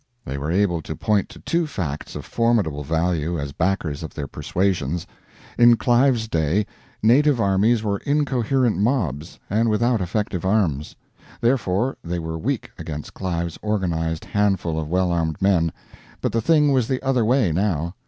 They were able to point to two facts of formidable value as backers of their persuasions: In Clive's day, native armies were incoherent mobs, and without effective arms; therefore, they were weak against Clive's organized handful of well armed men, but the thing was the other way, now.